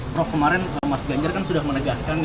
prof kemarin mas ganjar kan sudah menegaskan